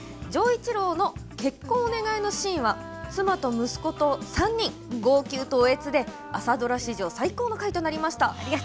錠一郎の結婚お願いのシーンは妻と息子と３人号泣とおえつで朝ドラ史上最高の回となりました。